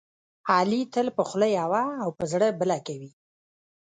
علي تل په خوله یوه او په زړه بله کوي.